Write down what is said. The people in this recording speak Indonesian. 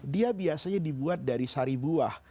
dia biasanya dibuat dari sari buah